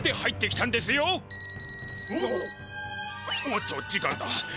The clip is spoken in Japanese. おっと時間だ。